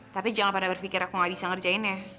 tapi jangan pada berpikir aku gak bisa ngerjainnya